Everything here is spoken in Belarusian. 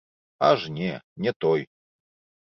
Аж не, не той.